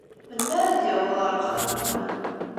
Melmi ara d-yaweḍ ɣer uxxam-nwen?